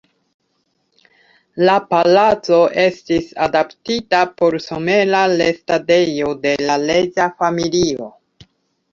La palaco estis adaptita por somera restadejo de la reĝa familio.